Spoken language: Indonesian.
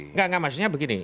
enggak enggak maksudnya begini